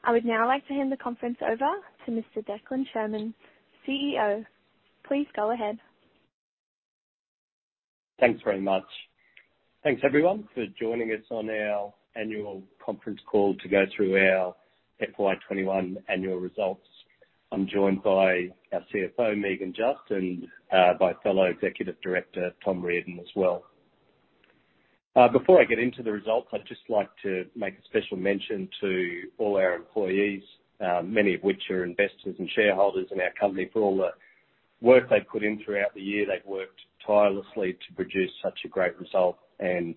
I would now like to hand the conference over to Mr Declan Sherman, CEO. Please go ahead. Thanks very much. Thanks everyone for joining us on our Annual Conference Call to go through our FY 2021 annual results. I'm joined by our CFO, Megan Just, and by fellow Executive Director, Tom Reardon, as well. Before I get into the results, I'd just like to make a special mention to all our employees, many of which are investors and shareholders in our company, for all the work they've put in throughout the year. They've worked tirelessly to produce such a great result, and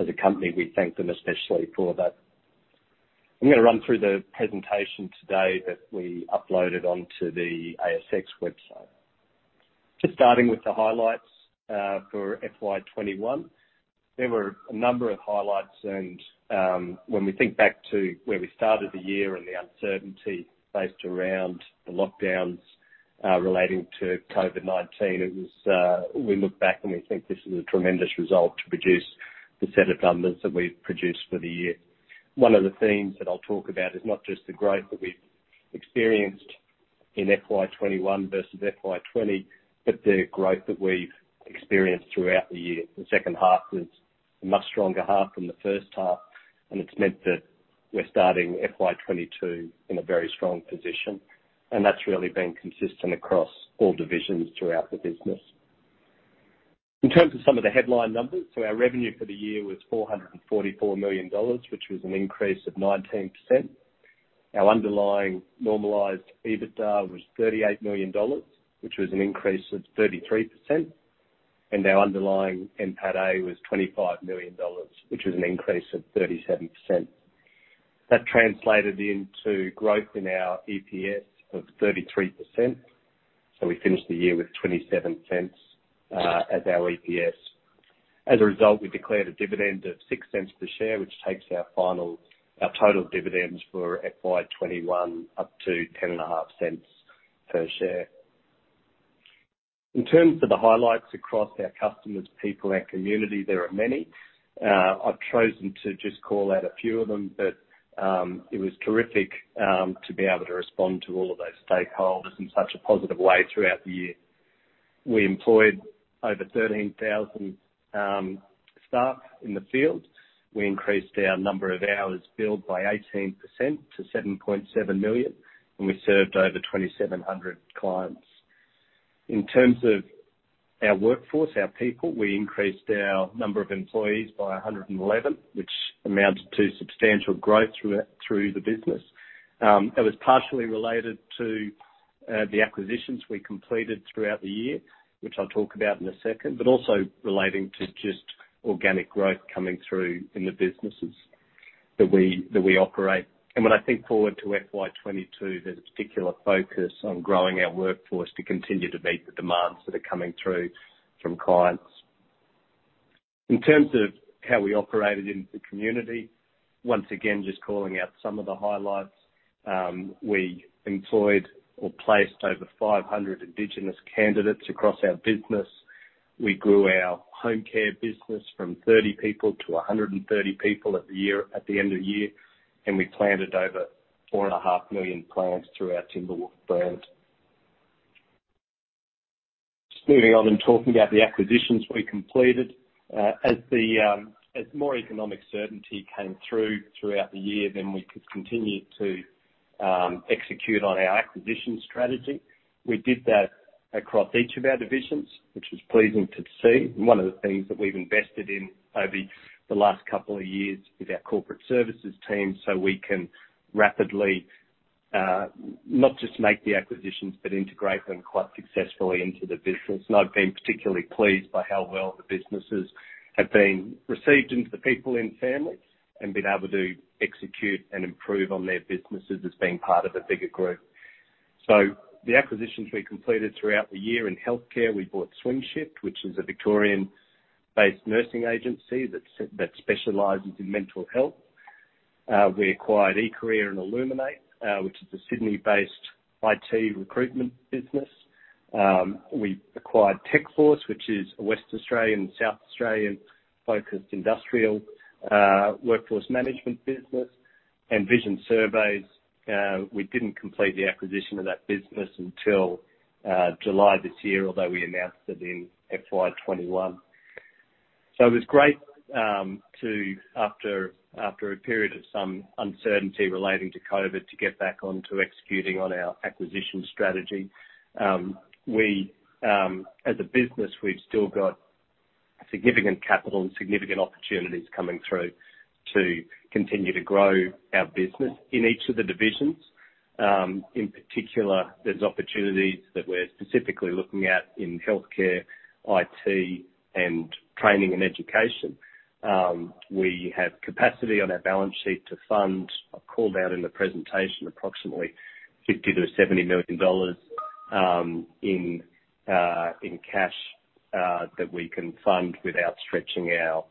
as a company, we thank them especially for that. I'm going to run through the presentation today that we uploaded onto the ASX website. Just starting with the highlights for FY 2021. There were a number of highlights and when we think back to where we started the year and the uncertainty faced around the lockdowns relating to COVID-19, we look back and we think this is a tremendous result to produce the set of numbers that we've produced for the year. One of the themes that I'll talk about is not just the growth that we've experienced in FY 2021 versus FY 2020, but the growth that we've experienced throughout the year. The second half was a much stronger half from the first half, and it's meant that we're starting FY 2022 in a very strong position, and that's really been consistent across all divisions throughout the business. In terms of some of the headline numbers, our revenue for the year was 444 million dollars, which was an increase of 19%. Our underlying normalized EBITDA was 38 million dollars, which was an increase of 33%, and our underlying NPATA was AUD 25 million, which was an increase of 37%. That translated into growth in our EPS of 33%. We finished the year with 0.27 as our EPS. As a result, we declared a dividend of 0.06 per share, which takes our total dividends for FY 2021 up to ten and a half cents per share. In terms of the highlights across our customers, people and community, there are many. I've chosen to just call out a few of them, it was terrific to be able to respond to all of those stakeholders in such a positive way throughout the year. We employed over 13,000 staff in the field. We increased our number of hours billed by 18% to 7.7 million, we served over 2,700 clients. In terms of our workforce, our people, we increased our number of employees by 111, which amounted to substantial growth through the business. It was partially related to the acquisitions we completed throughout the year, which I'll talk about in a second, but also relating to just organic growth coming through in the businesses that we operate. When I think forward to FY 2022, there's a particular focus on growing our workforce to continue to meet the demands that are coming through from clients. In terms of how we operated in the community, once again, just calling out some of the highlights, we employed or placed over 500 indigenous candidates across our business. We grew our home care business from 30 people to 130 people at the end of the year, and we planted over 4.5 million plants through our Timberwolf brand. Just moving on and talking about the acquisitions we completed. As more economic certainty came through throughout the year, then we could continue to execute on our acquisition strategy. We did that across each of our divisions, which was pleasing to see, and one of the things that we've invested in over the last couple of years is our corporate services team, so we can rapidly not just make the acquisitions, but integrate them quite successfully into the business. I've been particularly pleased by how well the businesses have been received into the PeopleIN family and been able to execute and improve on their businesses as being part of a bigger group. The acquisitions we completed throughout the year in healthcare, we bought SwingShift, which is a Victorian-based nursing agency that specializes in mental health. We acquired eCareer and Illuminate, which is a Sydney-based IT recruitment business. We acquired Techforce Personnel, which is a West Australian, South Australian-focused industrial workforce management business, and Vision Surveys. We didn't complete the acquisition of that business until July this year, although we announced it in FY 2021. It was great to, after a period of some uncertainty relating to COVID, to get back onto executing on our acquisition strategy. As a business, we've still got significant capital and significant opportunities coming through to continue to grow our business in each of the divisions. In particular, there's opportunities that we're specifically looking at in healthcare, IT, and training and education. We have capacity on our balance sheet to fund, I called out in the presentation approximately 50 million-70 million dollars in cash that we can fund without stretching our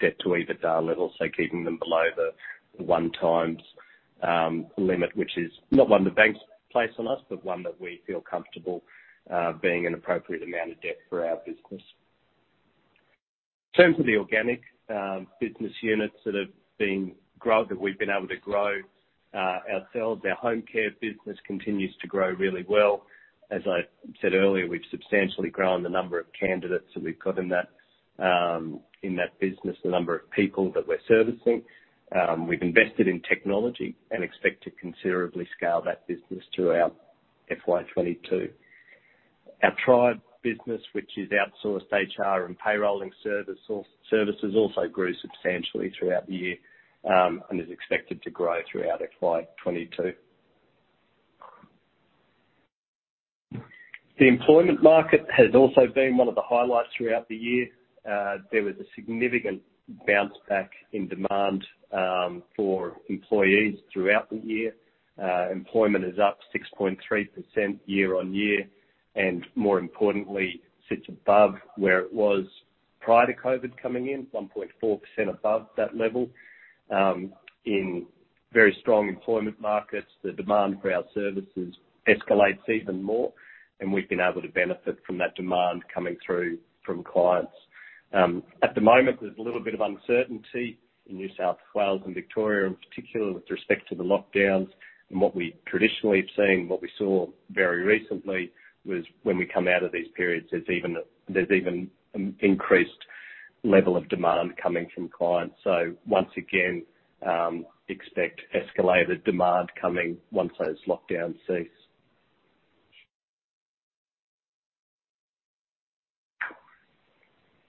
debt to EBITDA levels, so keeping them below the one times limit, which is not one the banks place on us, but one that we feel comfortable being an appropriate amount of debt for our business. In terms of the organic business units that we've been able to grow ourselves, our home care business continues to grow really well. As I said earlier, we've substantially grown the number of candidates that we've got in that business, the number of people that we're servicing. We've invested in technology and expect to considerably scale that business throughout FY 2022. Our Tribe business, which is outsourced HR and payroll services, also grew substantially throughout the year. Is expected to grow throughout FY 2022. The employment market has also been one of the highlights throughout the year. There was a significant bounce back in demand for employees throughout the year. Employment is up 6.3% year-on-year. More importantly, sits above where it was prior to COVID coming in, 1.4% above that level. In very strong employment markets, the demand for our services escalates even more. We've been able to benefit from that demand coming through from clients. At the moment, there's a little bit of uncertainty in New South Wales and Victoria, in particular with respect to the lockdowns. What we traditionally have seen, what we saw very recently was when we come out of these periods, there's even an increased level of demand coming from clients. Once again, expect escalated demand coming once those lockdowns cease.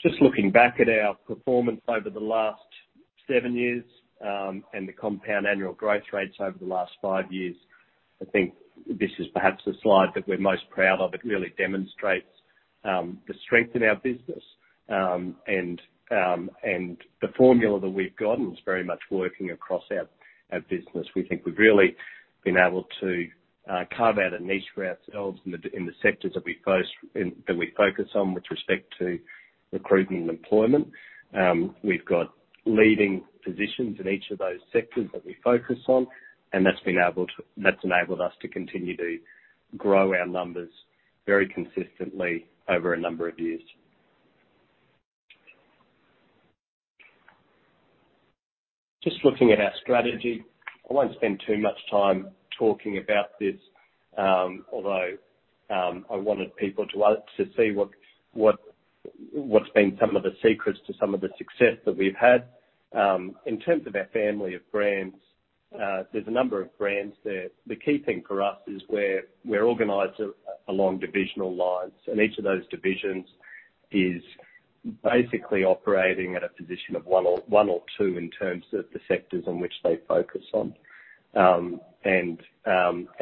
Just looking back at our performance over the last seven years, and the compound annual growth rates over the last five years, I think this is perhaps the slide that we're most proud of. It really demonstrates the strength in our business, and the formula that we've gotten is very much working across our business. We think we've really been able to carve out a niche for ourselves in the sectors that we focus on with respect to recruitment and employment. We've got leading positions in each of those sectors that we focus on, and that's enabled us to continue to grow our numbers very consistently over a number of years. Just looking at our strategy, I won't spend too much time talking about this, although I wanted people to see what's been some of the secrets to some of the success that we've had. In terms of our family of brands, there's a number of brands there. The key thing for us is we're organized along divisional lines. Each of those divisions is basically operating at a position of one or two in terms of the sectors in which they focus on.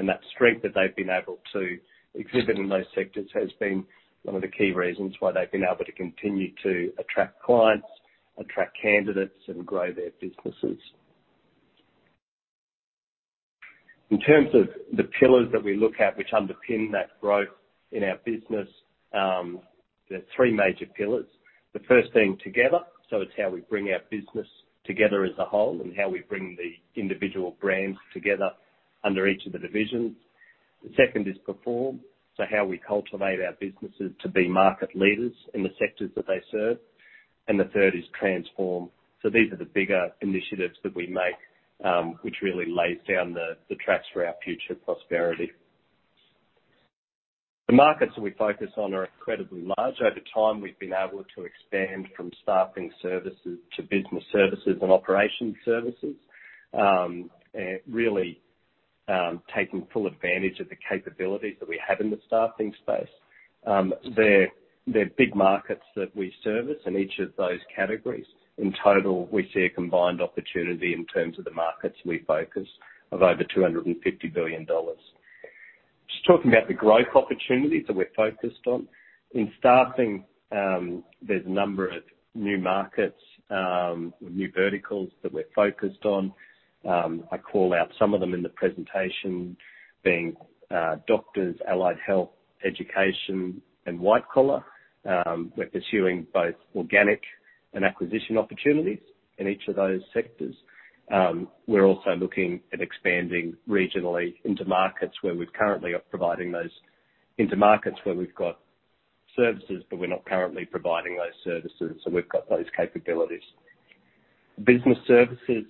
That strength that they've been able to exhibit in those sectors has been one of the key reasons why they've been able to continue to attract clients, attract candidates, and grow their businesses. In terms of the pillars that we look at which underpin that growth in our business, there are three major pillars. The first being together. It's how we bring our business together as a whole, and how we bring the individual brands together under each of the divisions. The second is perform. How we cultivate our businesses to be market leaders in the sectors that they serve. The third is transform. These are the bigger initiatives that we make, which really lays down the tracks for our future prosperity. The markets that we focus on are incredibly large. Over time, we've been able to expand from staffing services to business services and operation services, and really taking full advantage of the capabilities that we have in the staffing space. They're big markets that we service in each of those categories. In total, we see a combined opportunity in terms of the markets we focus of over 250 billion dollars. Just talking about the growth opportunities that we're focused on. In staffing, there's a number of new markets, new verticals that we're focused on. I call out some of them in the presentation being doctors, allied health, education, and white collar. We're pursuing both organic and acquisition opportunities in each of those sectors. We're also looking at expanding regionally into markets where we've got services, but we're not currently providing those services, so we've got those capabilities. Business services.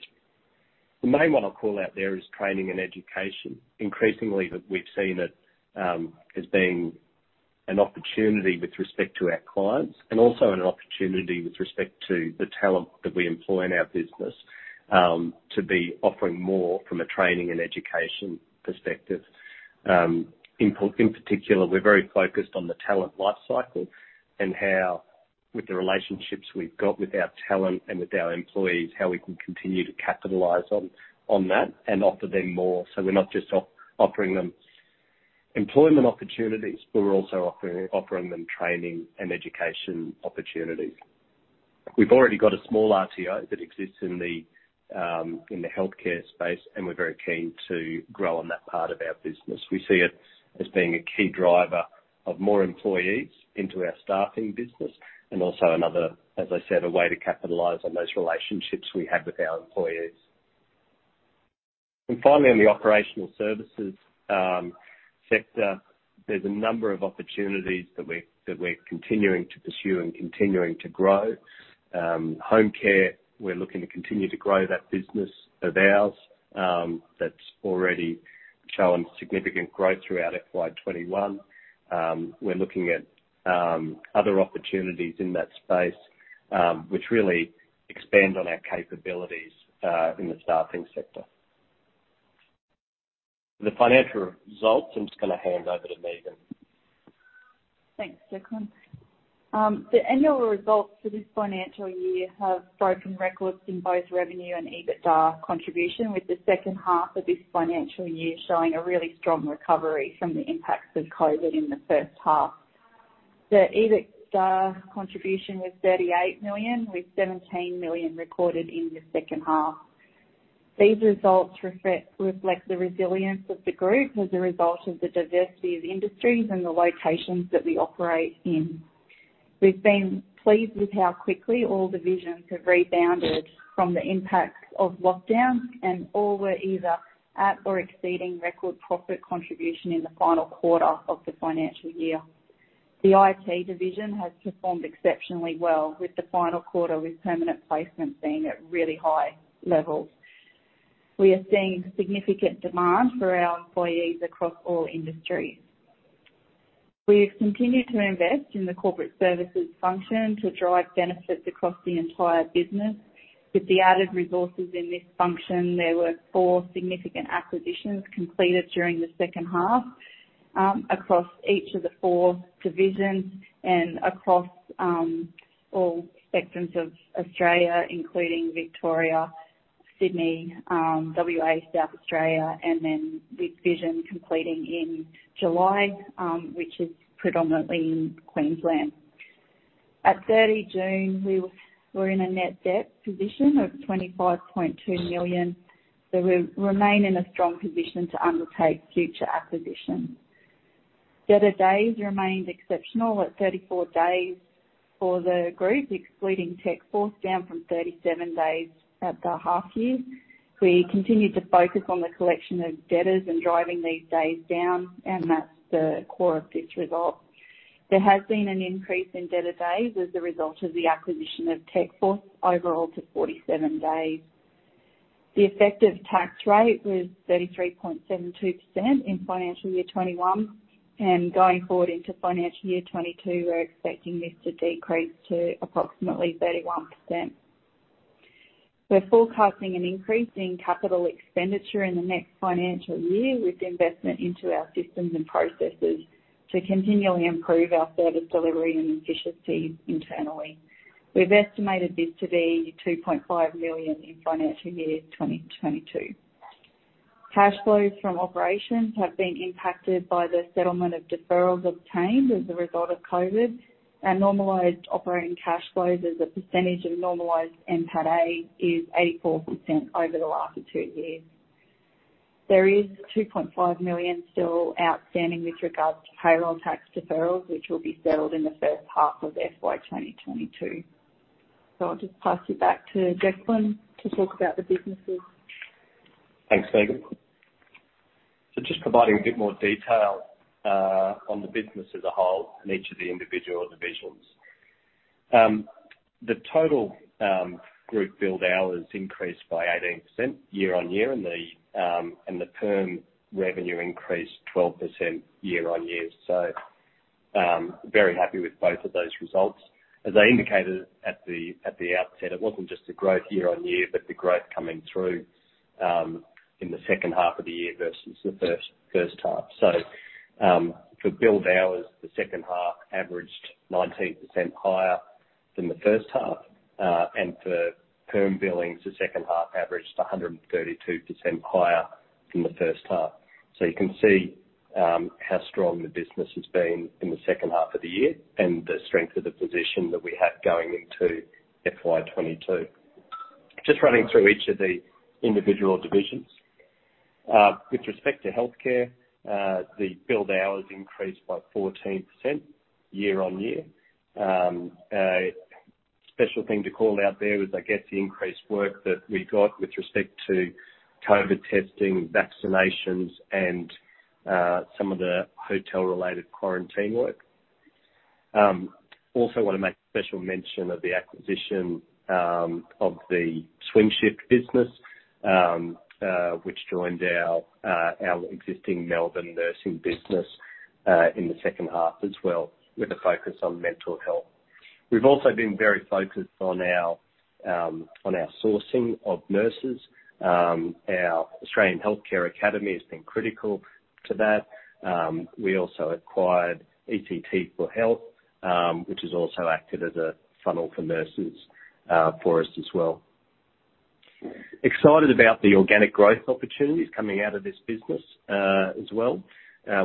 The main one I'll call out there is training and education. Increasingly, we've seen it as being an opportunity with respect to our clients, and also an opportunity with respect to the talent that we employ in our business, to be offering more from a training and education perspective. In particular, we're very focused on the talent life cycle, and how with the relationships we've got with our talent and with our employees, how we can continue to capitalize on that and offer them more. We're not just offering them employment opportunities, but we're also offering them training and education opportunities. We've already got a small RTO that exists in the healthcare space, and we're very keen to grow on that part of our business. We see it as being a key driver of more employees into our staffing business and also another, as I said, a way to capitalize on those relationships we have with our employees. Finally, on the operational services sector, there's a number of opportunities that we're continuing to pursue and continuing to grow. Home care, we're looking to continue to grow that business of ours. That's already shown significant growth throughout FY 2021. We're looking at other opportunities in that space, which really expand on our capabilities in the staffing sector. The financial results, I'm just going to hand over to Megan. Thanks, Declan. The annual results for this financial year have broken records in both revenue and EBITDA contribution, with the second half of this financial year showing a really strong recovery from the impacts of COVID in the first half. The EBITDA contribution was 38 million, with 17 million recorded in the second half. These results reflect the resilience of the group as a result of the diversity of the industries and the locations that we operate in. We've been pleased with how quickly all divisions have rebounded from the impacts of lockdown, and all were either at or exceeding record profit contribution in the final quarter of the financial year. The IT division has performed exceptionally well with the final quarter, with permanent placement being at really high levels. We are seeing significant demand for our employees across all industries. We've continued to invest in the corporate services function to drive benefits across the entire business. With the added resources in this function, there were four significant acquisitions completed during the second half across each of the four divisions and across all spectrums of Australia, including Victoria, Sydney, W.A., South Australia, and then with Vision completing in July, which is predominantly in Queensland. At 30 June, we were in a net debt position of 25.2 million. We remain in a strong position to undertake future acquisitions. Debtor days remained exceptional at 34 days for the group, excluding Techforce, down from 37 days at the half year. We continued to focus on the collection of debtors and driving these days down. That's the core of this result. There has been an increase in debtor days as a result of the acquisition of Techforce overall to 47 days. The effective tax rate was 33.72% in financial year 2021, going forward into financial year 2022, we're expecting this to decrease to approximately 31%. We're forecasting an increase in capital expenditure in the next financial year with investment into our systems and processes to continually improve our service delivery and efficiency internally. We've estimated this to be 2.5 million in financial year 2022. Cash flows from operations have been impacted by the settlement of deferrals obtained as a result of COVID, normalized operating cash flows as a percentage of normalized NPATA is 84% over the last two years. There is 2.5 million still outstanding with regards to payroll tax deferrals, which will be settled in the first half of FY 2022. I'll just pass you back to Declan to talk about the businesses. Thanks, Megan. Just providing a bit more detail on the business as a whole and each of the individual divisions. The total group billed hours increased by 18% year-on-year, and the perm revenue increased 12% year-on-year. Very happy with both of those results. As I indicated at the outset, it wasn't just the growth year-on-year, but the growth coming through in the second half of the year versus the first half. For billed hours, the second half averaged 19% higher than the first half. For perm billings, the second half averaged 132% higher than the first half. You can see how strong the business has been in the second half of the year and the strength of the position that we have going into FY 2022. Just running through each of the individual divisions. With respect to healthcare, the billed hours increased by 14% year-on-year. A special thing to call out there was, I guess, the increased work that we got with respect to COVID testing, vaccinations, and some of the hotel related quarantine work. Also want to make special mention of the acquisition of the SwingShift business, which joined our existing Melbourne nursing business in the second half as well, with a focus on mental health. We've also been very focused on our sourcing of nurses. Our Australian Healthcare Academy has been critical to that. We also acquired ECT4Health, which has also acted as a funnel for nurses for us as well. We're excited about the organic growth opportunities coming out of this business as well.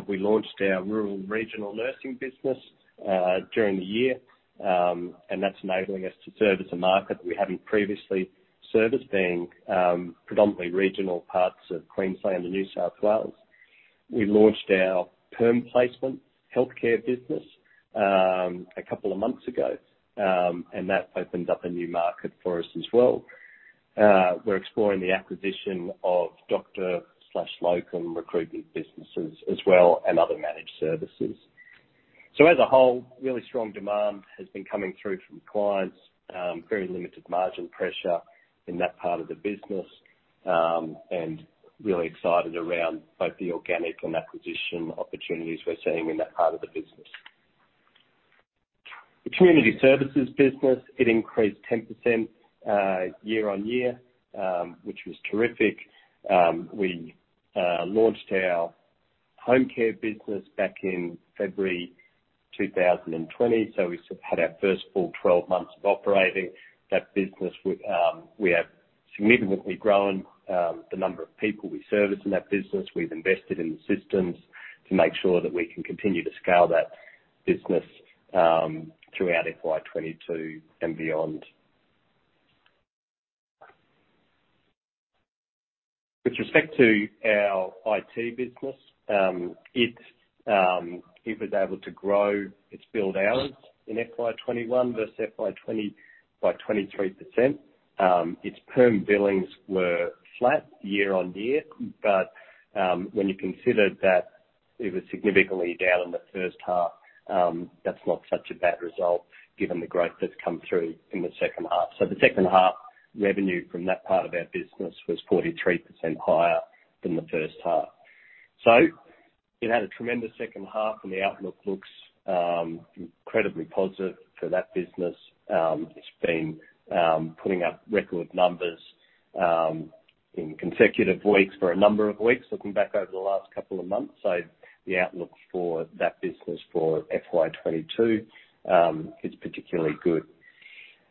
We launched our rural regional nursing business during the year, and that's enabling us to service a market we haven't previously serviced, being predominantly regional parts of Queensland and New South Wales. We launched our perm placement healthcare business a couple of months ago, and that's opened up a new market for us as well. We're exploring the acquisition of doctor/locum recruitment businesses as well, and other managed services. As a whole, really strong demand has been coming through from clients. Very limited margin pressure in that part of the business, and really excited around both the organic and acquisition opportunities we're seeing in that part of the business. The community services business, it increased 10% year-on-year, which was terrific. We launched our home care business back in February 2020, so we had our first full 12 months of operating that business. We have significantly grown the number of people we service in that business. We've invested in the systems to make sure that we can continue to scale that business throughout FY 2022 and beyond. With respect to our IT business, it was able to grow its billed hours in FY 2021 versus FY 2020 by 23%. Its perm billings were flat year-on-year, but when you consider that it was significantly down in the first half, that's not such a bad result given the growth that's come through in the second half. The second half revenue from that part of our business was 43% higher than the first half. It had a tremendous second half, and the outlook looks incredibly positive for that business. It's been putting up record numbers in consecutive weeks for a number of weeks, looking back over the last couple of months. The outlook for that business for FY 2022 is particularly good.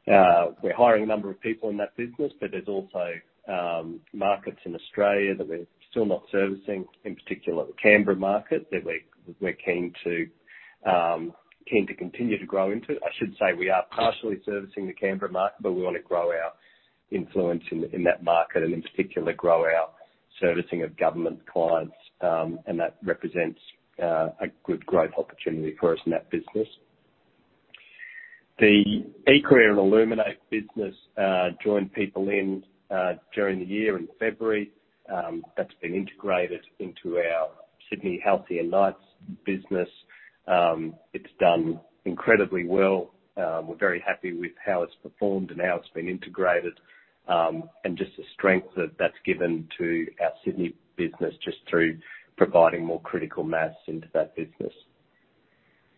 We're hiring a number of people in that business, but there's also markets in Australia that we're still not servicing, in particular the Canberra market that we're keen to continue to grow into. I should say, we are partially servicing the Canberra market, but we want to grow our influence in that market, and in particular, grow our servicing of government clients, and that represents a good growth opportunity for us in that business. The eCareer and Illuminate business joined PeopleIN during the year in February. That's been integrated into our Sydney Halcyon Knights business. It's done incredibly well. We're very happy with how it's performed and how it's been integrated, and just the strength that that's given to our Sydney business just through providing more critical mass into that business.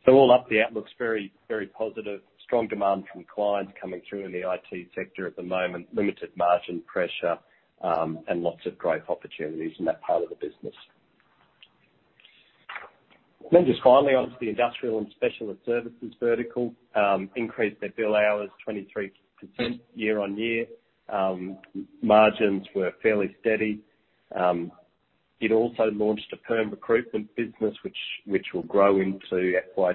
All up, the outlook's very positive. Strong demand from clients coming through in the IT sector at the moment, limited margin pressure, and lots of growth opportunities in that part of the business. Just finally, onto the industrial and specialist services vertical, increased their bill hours 23% year-over-year. Margins were fairly steady. It also launched a perm recruitment business, which will grow into FY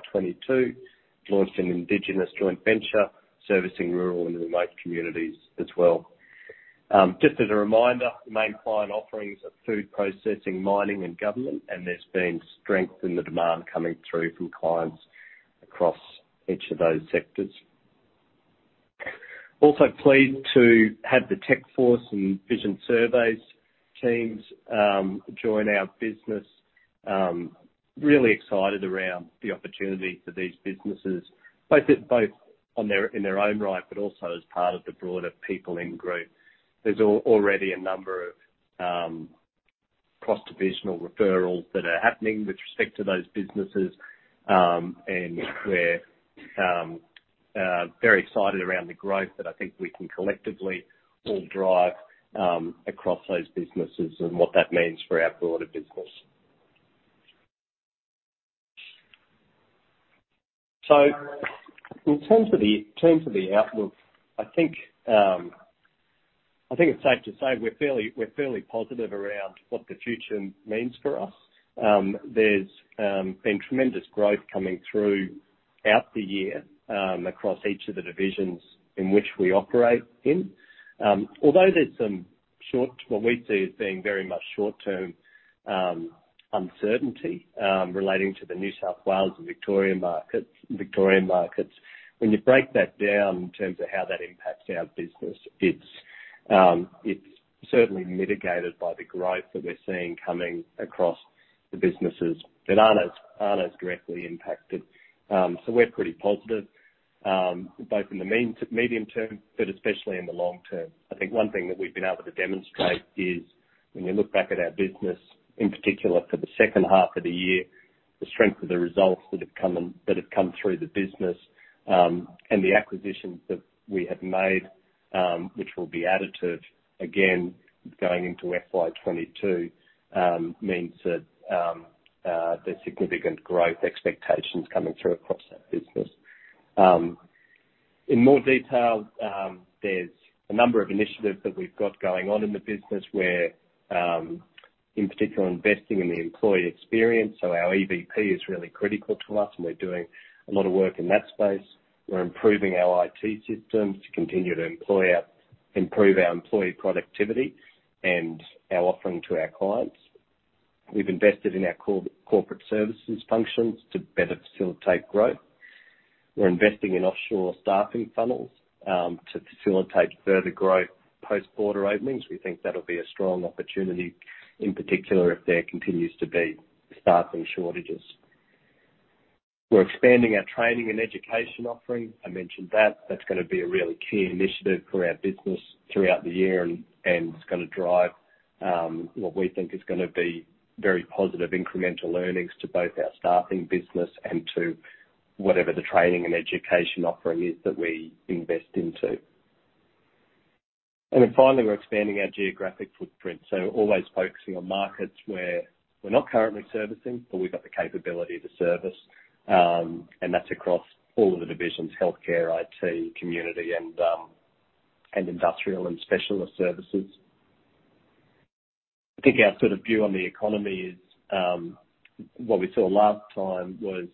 2022. Launched an indigenous joint venture servicing rural and remote communities as well. Just as a reminder, the main client offerings are food processing, mining, and government, and there's been strength in the demand coming through from clients across each of those sectors. Also pleased to have the Techforce and Vision Surveys teams join our business. Really excited around the opportunity for these businesses, both in their own right, but also as part of the broader PeopleIN Group. There's already a number of cross-divisional referrals that are happening with respect to those businesses. We're very excited around the growth that I think we can collectively all drive across those businesses and what that means for our broader business. In terms of the outlook, I think it's safe to say we're fairly positive around what the future means for us. There's been tremendous growth coming throughout the year across each of the divisions in which we operate in. Although there's some short, what we see as being very much short term uncertainty relating to the New South Wales and Victorian markets. When you break that down in terms of how that impacts our business, it's certainly mitigated by the growth that we're seeing coming across the businesses that aren't as directly impacted. We're pretty positive, both in the medium term, but especially in the long term. I think one thing that we've been able to demonstrate is when you look back at our business, in particular for the second half of the year, the strength of the results that have come through the business, and the acquisitions that we have made, which will be additive, again, going into FY 2022, means that there's significant growth expectations coming through across that business. In more detail, there's a number of initiatives that we've got going on in the business where, in particular, investing in the employee experience. Our EVP is really critical to us, and we're doing a lot of work in that space. We're improving our IT systems to continue to improve our employee productivity and our offering to our clients. We've invested in our corporate services functions to better facilitate growth. We're investing in offshore staffing funnels to facilitate further growth post-border openings. We think that'll be a strong opportunity in particular if there continues to be staffing shortages. We're expanding our training and education offering. I mentioned that. That's going to be a really key initiative for our business throughout the year, and it's going to drive what we think is going to be very positive incremental learnings to both our staffing business and to whatever the training and education offering is that we invest into. Finally, we're expanding our geographic footprint. Always focusing on markets where we're not currently servicing, but we've got the capability to service, and that's across all of the divisions, healthcare, IT, community, and industrial and specialist services. I think our view on the economy is what we saw last time was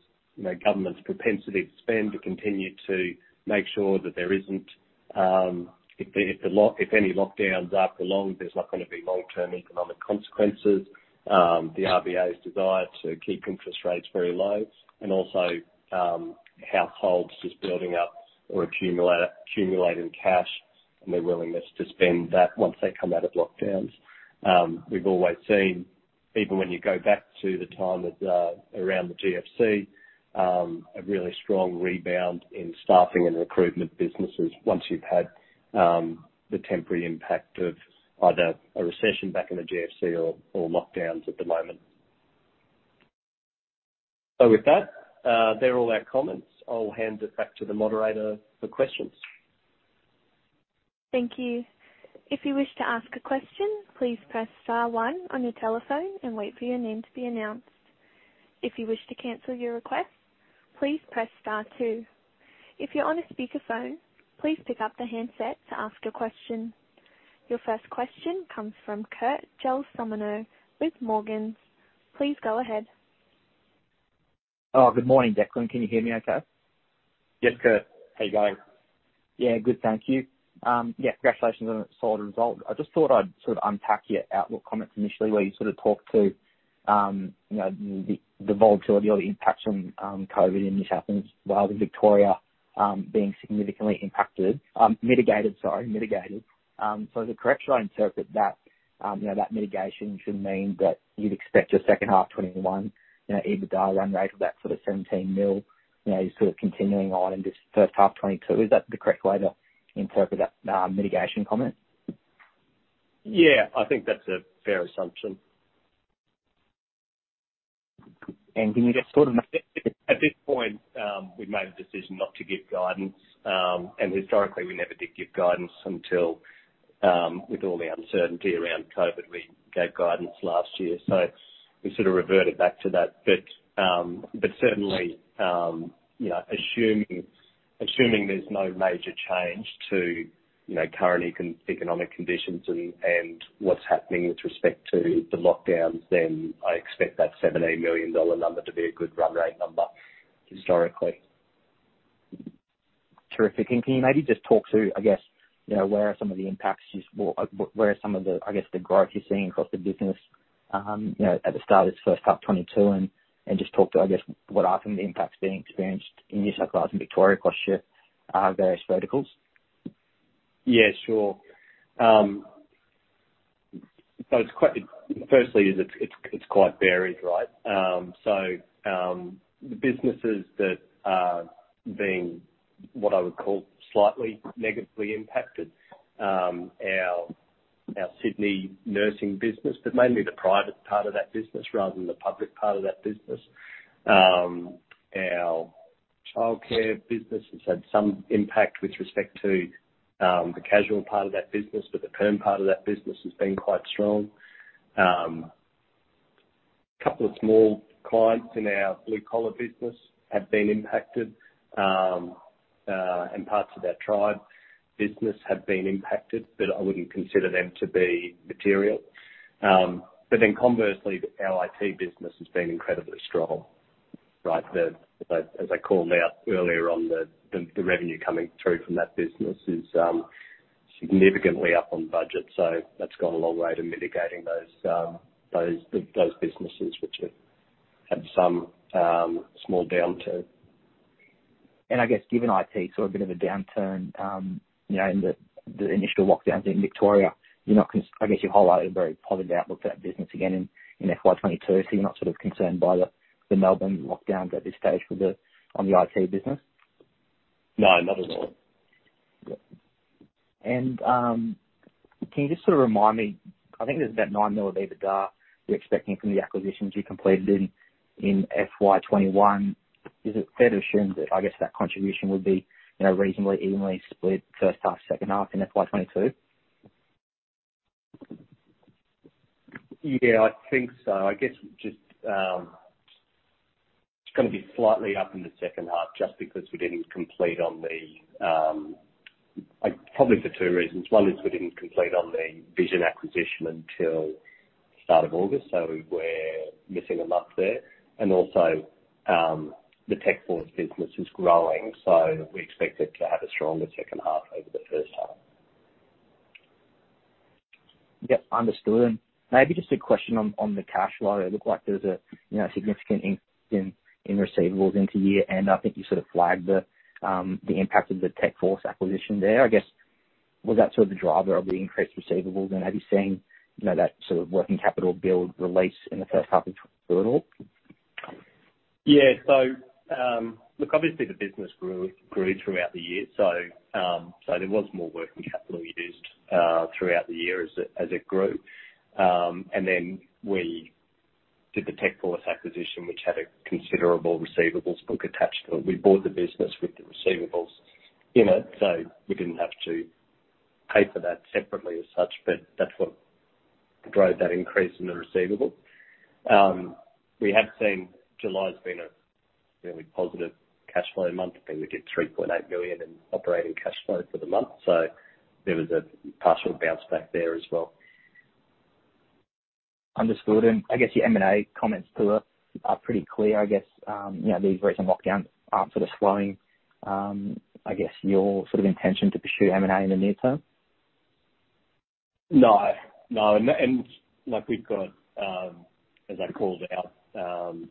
government's propensity to spend to continue to make sure that if any lockdowns are prolonged, there's not going to be long-term economic consequences, the RBA's desire to keep interest rates very low and also households just building up or accumulating cash and their willingness to spend that once they come out of lockdowns. We've always seen, even when you go back to the time around the GFC, a really strong rebound in staffing and recruitment businesses once you've had the temporary impact of either a recession back in the GFC or lockdowns at the moment. With that, they're all our comments. I'll hand it back to the moderator for questions. Thank you. If you wish to ask a question, please press star one on your telephone and wait for your name to be announced. If you wish to cancel your request, please press star two. If you're on a speakerphone, please pick up the handset to ask a question. Your first question comes from Kurt Gelsomino with Morgans. Please go ahead. Oh, good morning, Declan. Can you hear me okay? Yes, Kurt. How are you going? Yeah. Good, thank you. Yeah, congratulations on a solid result. I just thought I'd unpack your outlook comments initially, where you talked to the volatility or the impact from COVID in New South Wales and Victoria being significantly impacted-- mitigated, sorry. Mitigated. Is it correct, should I interpret that mitigation should mean that you'd expect your second half FY 2021 EBITDA run rate of that sort of 17 million, is continuing on in this first half FY 2022? Is that the correct way to interpret that mitigation comment? Yeah, I think that's a fair assumption. And can you just sort of— At this point, we've made the decision not to give guidance. Historically, we never did give guidance until, with all the uncertainty around COVID, we gave guidance last year. We sort of reverted back to that. Certainly, assuming there's no major change to current economic conditions and what's happening with respect to the lockdowns, then I expect that 17 million dollar number to be a good run rate number historically. Terrific. Can you maybe just talk to where are some of the growth you're seeing across the business at the start of this first half 2022 and just talk to what are some of the impacts being experienced in New South Wales and Victoria across your various verticals? Yeah, sure. Firstly, it's quite varied, right? The businesses that are being, what I would call, slightly negatively impacted, our Sydney nursing business, but mainly the private part of that business rather than the public part of that business. Our childcare business has had some impact with respect to the casual part of that business, but the perm part of that business has been quite strong. A couple of small clients in our blue-collar business have been impacted. Parts of our Tribe business have been impacted. I wouldn't consider them to be material. Conversely, our IT business has been incredibly strong. As I called out earlier on, the revenue coming through from that business is significantly up on budget. That's gone a long way to mitigating those businesses which have had some small downturn. I guess given IT saw a bit of a downturn in the initial lockdowns in Victoria, I guess you hold a very positive outlook for that business again in FY 2022, so you're not concerned by the Melbourne lockdowns at this stage on the IT business? No, not at all. Can you just remind me, I think there's about 9 million of EBITDA you're expecting from the acquisitions you completed in FY 2021. Is it fair to assume that, I guess, that contribution would be reasonably evenly split first half, second half in FY 2022? Yeah, I think so. I guess it's going to be slightly up in the second half. Probably for two reasons. One is we didn't complete on the Vision acquisition until the start of August, so we're missing a month there. Also, the Techforce business is growing, so we expect it to have a stronger second half over the first half. Yep, understood. Maybe just a question on the cash flow. It looked like there was a significant increase in receivables into year, and I think you sort of flagged the impact of the Techforce acquisition there. I guess, was that sort of the driver of the increased receivables, and are you seeing that sort of working capital build release in the first half of at all? Yeah. Look, obviously the business grew throughout the year, so there was more working capital used throughout the year as it grew. We did the Techforce acquisition, which had a considerable receivables book attached to it. We bought the business with the receivables in it, so we didn't have to pay for that separately as such, but that's what drove that increase in the receivables. We have seen July's been a really positive cash flow month. I think we did 3.8 million in operating cash flow for the month, so there was a partial bounce back there as well. Understood. I guess your M&A comments too, are pretty clear, I guess. These recent lockdowns aren't sort of slowing, I guess, your sort of intention to pursue M&A in the near term? No. We've got, as I called out,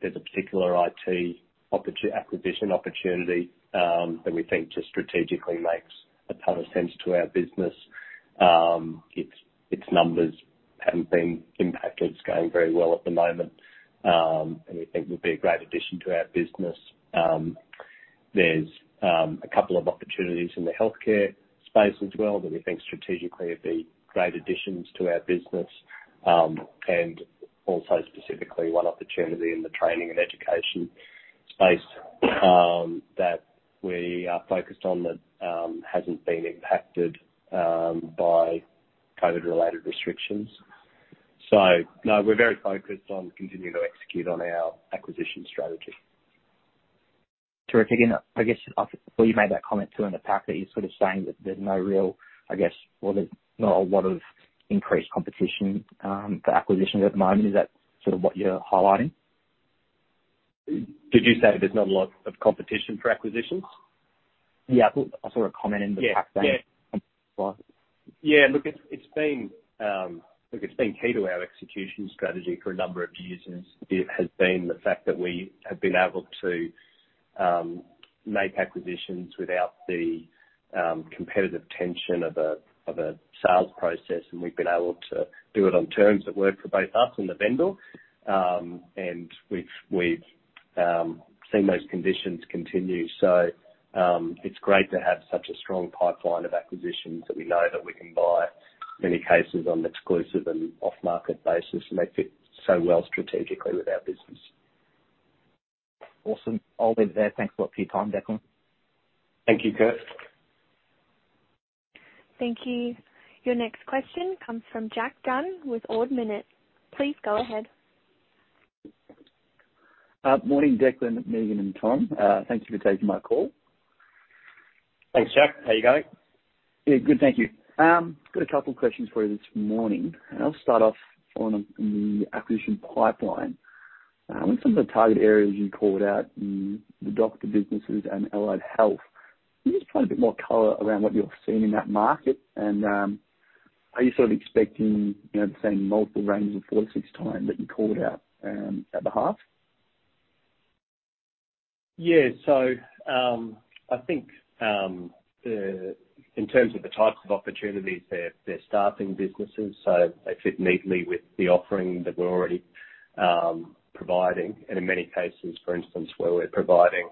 there's a particular IT acquisition opportunity that we think just strategically makes a ton of sense to our business. Its numbers haven't been impacted. It's going very well at the moment, and we think would be a great addition to our business. There's a couple of opportunities in the healthcare space as well that we think strategically would be great additions to our business. Also specifically one opportunity in the training and education space that we are focused on that hasn't been impacted by COVID-related restrictions. No, we're very focused on continuing to execute on our acquisition strategy. Terrific. I guess, well, you made that comment too in the pack that you're sort of saying that there's not a lot of increased competition for acquisitions at the moment. Is that sort of what you're highlighting? Did you say there's not a lot of competition for acquisitions? Yeah, I thought I saw a comment in the pack saying. Yeah. Look, it's been key to our execution strategy for a number of years, and it has been the fact that we have been able to make acquisitions without the competitive tension of a sales process, and we've been able to do it on terms that work for both us and the vendor. We've seen those conditions continue. It's great to have such a strong pipeline of acquisitions that we know that we can buy many cases on an exclusive and off-market basis, and they fit so well strategically with our business. Awesome. I'll leave it there. Thanks a lot for your time, Declan. Thank you, Kurt. Thank you. Your next question comes from Jack Dunn with Ord Minnett. Please go ahead. Morning, Declan, Megan, and Tom. Thanks for taking my call. Thanks, Jack. How you going? Yeah, good, thank you. I've got a couple questions for you this morning. I'll start off on the acquisition pipeline. With some of the target areas you called out, the doctor businesses and allied health, can you just provide a bit more color around what you're seeing in that market? Are you sort of expecting the same multiple range of four to six times that you called out at the half? Yeah. I think, in terms of the types of opportunities, they're staffing businesses, they fit neatly with the offering that we're already providing. In many cases, for instance, where we're providing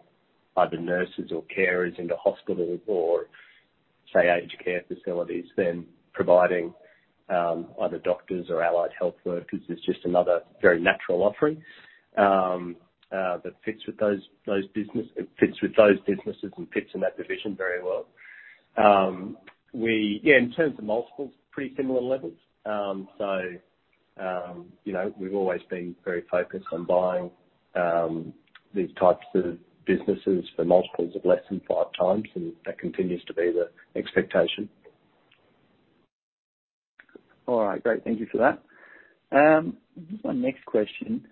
either nurses or carers into hospitals or say, aged care facilities, then providing either doctors or allied health workers is just another very natural offering that fits with those businesses and fits in that division very well. Yeah, in terms of multiples, pretty similar levels. We've always been very focused on buying these types of businesses for multiples of less than 5x, and that continues to be the expectation. All right, great. Thank you for that. My next question,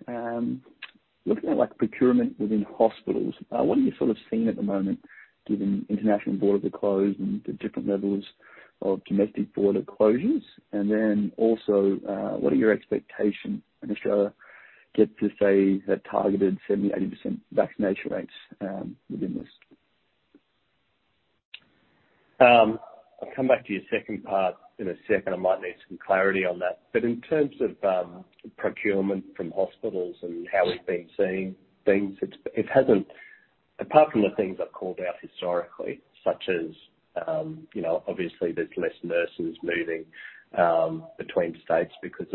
looking at procurement within hospitals, what are you sort of seeing at the moment, given international border closed and the different levels of domestic border closures? Then also, what are your expectations when Australia gets to, say, that targeted 70, 80% vaccination rates within this? I'll come back to your second part in a second. I might need some clarity on that. In terms of procurement from hospitals and how we've been seeing things, apart from the things I've called out historically, such as, obviously there's less nurses moving between states because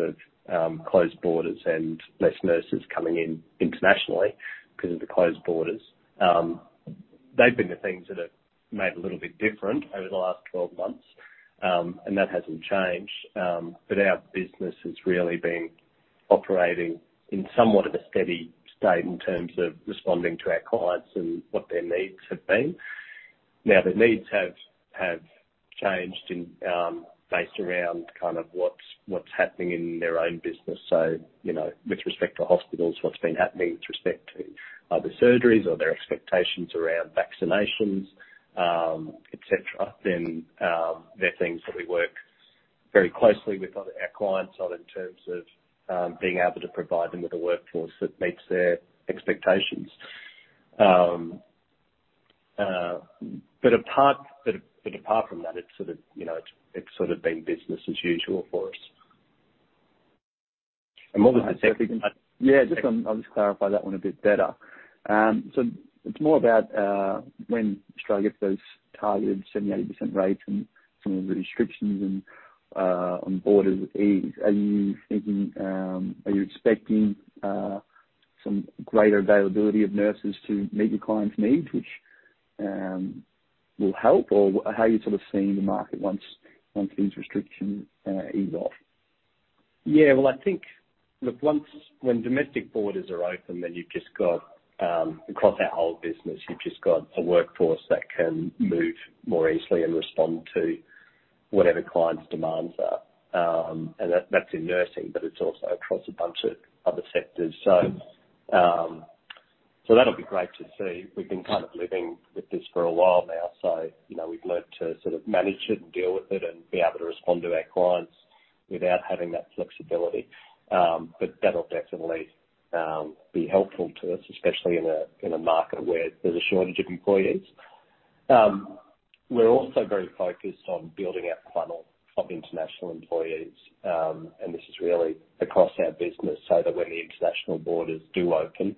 of closed borders and less nurses coming in internationally because of the closed borders. They've been the things that have made a little bit different over the last 12 months, and that hasn't changed. Our business has really been operating in somewhat of a steady state in terms of responding to our clients and what their needs have been. Their needs have changed based around what's happening in their own business. With respect to hospitals, what's been happening with respect to other surgeries or their expectations around vaccinations, et cetera, they're things that we work very closely with our clients on in terms of being able to provide them with a workforce that meets their expectations. Apart from that, it's sort of been business as usual for us. What was the second-? Yeah, I'll just clarify that one a bit better. It's more about when Australia gets those targeted 70, 80% rates and some of the restrictions on borders ease. Are you thinking, are you expecting some greater availability of nurses to meet your clients' needs, which will help, or how are you sort of seeing the market once these restrictions ease off? Yeah. Well, I think, look, when domestic borders are open, then across our whole business, you've just got a workforce that can move more easily and respond to whatever clients' demands are. That's in nursing, but it's also across a bunch of other sectors. That'll be great to see. We've been kind of living with this for a while now, so we've learned to sort of manage it and deal with it and be able to respond to our clients without having that flexibility. That'll definitely be helpful to us, especially in a market where there's a shortage of employees. We're also very focused on building our funnel of international employees, and this is really across our business, so that when the international borders do open,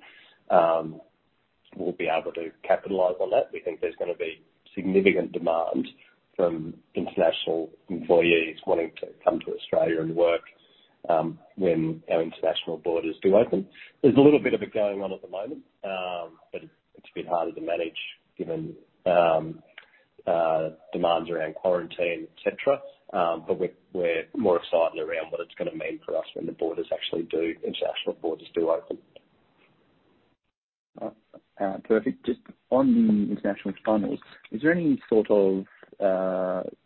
we'll be able to capitalize on that. We think there's going to be significant demand from international employees wanting to come to Australia and work, when our international borders do open. There's a little bit of it going on at the moment, but it's a bit harder to manage given demands around quarantine, et cetera. We're more excited around what it's going to mean for us when the international borders do open. Perfect. Just on the international funnels, is there any sort of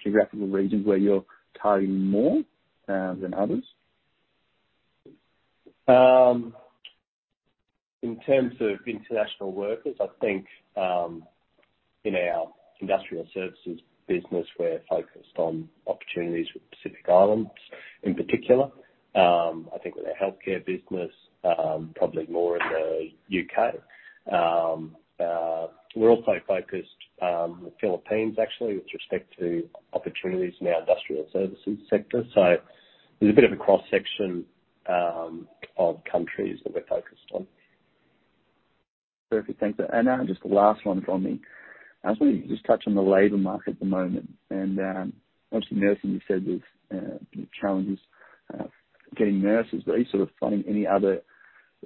geographical regions where you're targeting more than others? In terms of international workers, I think, in our industrial services business, we're focused on opportunities with Pacific Islands in particular. I think with our healthcare business, probably more in the U.K. We're also focused, the Philippines actually, with respect to opportunities in our industrial services sector. There's a bit of a cross-section of countries that we're focused on. Perfect. Thanks. Just the last one from me. I just wonder if you could just touch on the labor market at the moment, and, obviously nursing you said there's challenges getting nurses. Are you sort of finding any other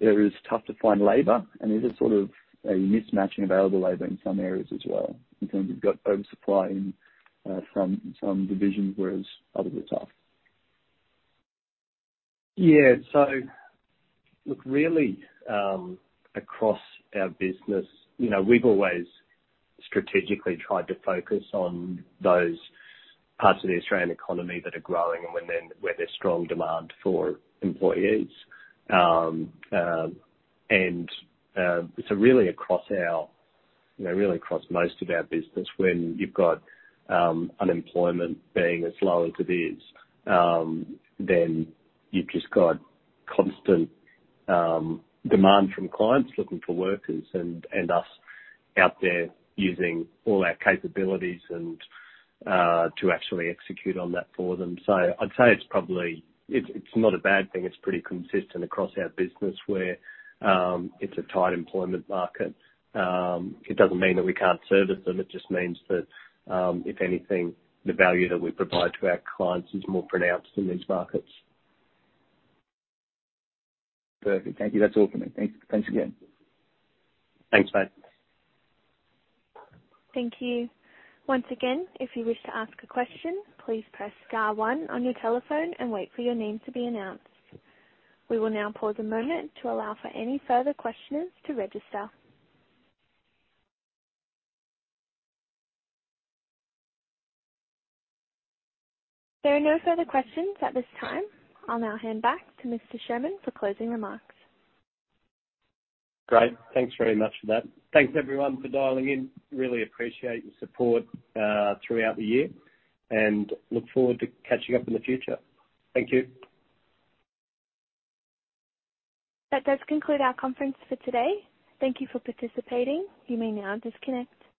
areas tough to find labor? Is there sort of a mismatch in available labor in some areas as well, in terms of you've got oversupply in some divisions, whereas others are tough? Yeah. Look, really, across our business, we've always strategically tried to focus on those parts of the Australian economy that are growing and where there's strong demand for employees. Really across most of our business, when you've got unemployment being as low as it is, then you've just got constant demand from clients looking for workers and us out there using all our capabilities and to actually execute on that for them. I'd say it's not a bad thing. It's pretty consistent across our business where it's a tight employment market. It doesn't mean that we can't service them. It just means that, if anything, the value that we provide to our clients is more pronounced in these markets. Perfect. Thank you. That's all from me. Thanks. Thanks again. Thanks, mate. Thank you. Once again, if you wish to ask a question, please press star one on your telephone and wait for your name to be announced. We will now pause a moment to allow for any further questions to register. There are no further questions at this time. I'll now hand back to Mr. Sherman for closing remarks. Great. Thanks very much for that. Thanks everyone for dialing in. Really appreciate your support throughout the year, and look forward to catching up in the future. Thank you. That does conclude our conference for today. Thank you for participating. You may now disconnect.